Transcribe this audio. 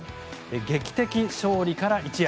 劇的勝利から一夜。